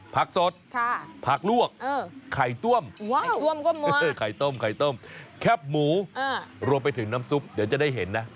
ผักสดผักลวกไข่ต้มไข่ต้มไข่ต้มแคบหมูรวมไปถึงน้ำซุปเดี๋ยวจะได้เห็นนะ